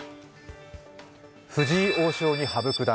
藤井王将に羽生九段。